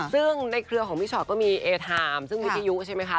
ซึ่งในเครื่องของพี่ชอตก็มีเอเธอร์ไทม์ซึ่งวิธิยุทธ์ใช่ไหมคะ